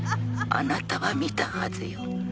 あなたは見たはずよ